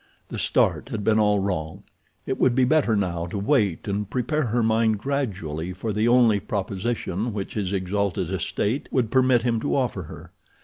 The start had been all wrong. It would be better now to wait and prepare her mind gradually for the only proposition which his exalted estate would permit him to offer her.